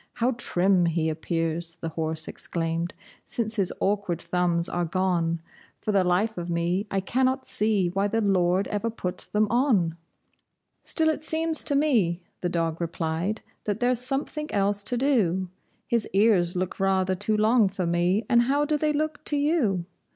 "How trim he appears," the horse exclaimed, "since his awkward thumbs are gone! For the life of me I cannot see why the Lord ever put them on!" "Still it seems to me," the dog replied, "that there's something else to do; His ears look rather too long for me, and how do they look to you?"